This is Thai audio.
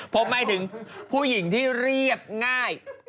ผมหมายถึงผู้หญิงที่เรียบง่าย